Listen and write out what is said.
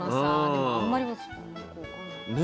でもあんまり私よく分かんない。ね。